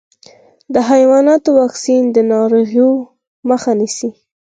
د حیواناتو واکسین د ناروغیو مخه نيسي.